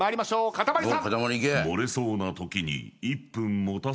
かたまりさん。